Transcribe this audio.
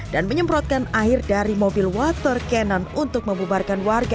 menyemprotkan air dari mobil water cannon untuk membubarkan warga